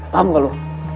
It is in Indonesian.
paham gak lu